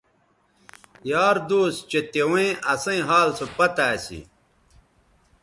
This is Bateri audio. یار دوس چہء تیویں اسئیں حال سو پتہ اسی